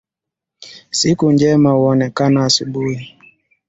Siku njema huonekana asubuhi